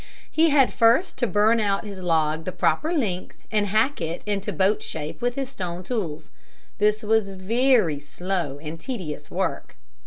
He had first to burn out his log the proper length and hack it into boat shape with his stone tools. This was very slow and tedious work.